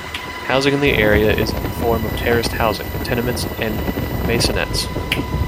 Housing in the area is in the form of terraced housing, tenements and maisonettes.